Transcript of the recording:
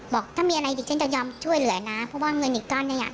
บอกถ้ามีอะไรเดี๋ยวฉันจะยอมช่วยเหลืออ่ะน่ะเพราะว่าเงินอีกตอนนี้อ่ะ